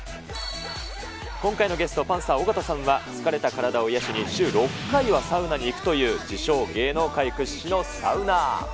今回のゲスト、パンサー・尾形さんは疲れた体を癒やしに、週６回はサウナに行くという、自称芸能界屈指のサウナー。